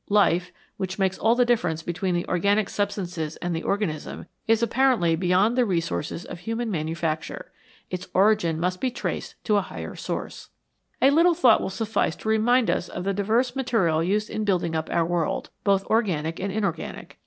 Life, which makes all the difference between the organic substances and the organism, is apparently beyond the resources of human manufacture. Its origin must be traced to a higher source. A little thought will suffice to remind us of the diverse material used in building up our world, both organic and inorganic.